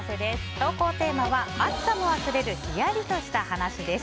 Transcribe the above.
投稿テーマは暑さも忘れるヒヤリとした話です。